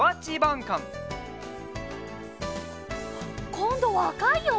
こんどはあかいよ！